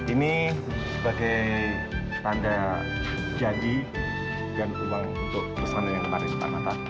ini sebagai tanda janji dan uang untuk pesanan yang kemarin pak natal